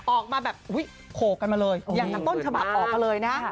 ออกมาแบบอุ๊ยโขกกันมาเลยอย่างนั้นต้นฉบับออกมาเลยนะ